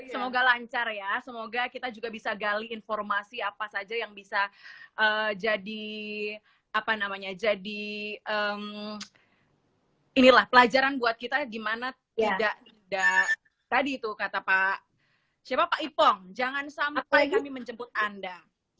semoga lancar ya semoga kita juga bisa gali informasi apa saja yang bisa jadi apa namanya jadi inilah pelajaran buat kita gimana tidak tadi itu kata pak siapa pak ipong jangan sampai kami menjemput anda